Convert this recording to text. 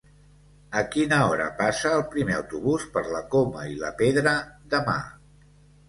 A quina hora passa el primer autobús per la Coma i la Pedra demà?